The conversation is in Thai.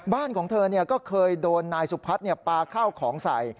ของเธอก็เคยโดนนายสุพัฒน์ปลาข้าวของใส่